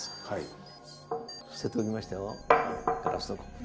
はい。